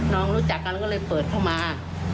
รู้จักกันก็เลยเปิดเข้ามา